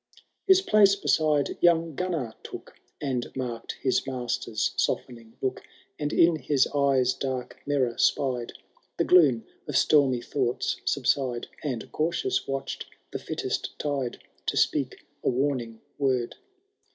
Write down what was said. IV. His place beside young Gimnar took, And marked his master^s softening look. And in his eye^s dark mirror spied The gloom of stormy thoughts subside. And cautious watched the fittest tide To speak a warning word.